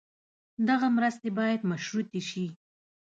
دغه مرستې باید مشروطې شي.